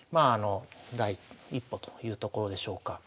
第一歩というところでしょうか。